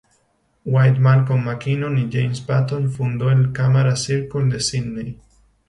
White, Malcolm McKinnon y James Paton, fundó el "Camera Circle" de Sídney.